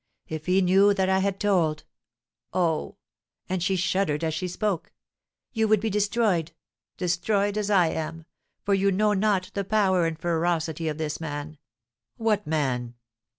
If he knew that I had told! oh," and she shuddered as she spoke, "you would be destroyed, destroyed as I am; for you know not the power and ferocity of this man." "What man?"